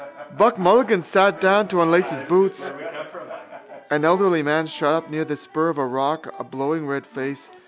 Buck Mulligan sat down to unlace his boots. An elderly man shot up near the spur of rock a blowing red face.